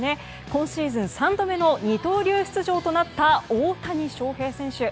今シーズン３度目の二刀流出場となった大谷翔平選手。